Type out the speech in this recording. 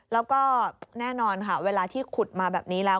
แล้วก็แน่นอนค่ะเวลาที่ขุดมาแบบนี้แล้ว